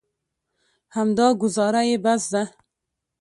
همدا ګوزاره یې بس ده.